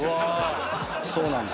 そうなんです。